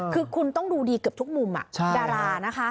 คือคุณต้องดูดีเกือบทุกมุมดารานะคะ